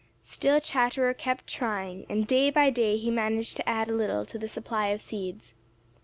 Still Chatterer kept trying, and day by day he managed to add a little to the supply of seeds.